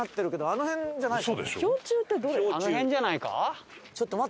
あの辺じゃないか？